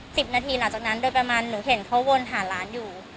สิบนาทีหลังจากนั้นโดยประมาณหนูเห็นเขาวนหาร้านอยู่